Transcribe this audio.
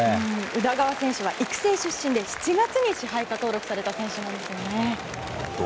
宇田川選手は育成出身で７月に支配下登録された選手なんですね。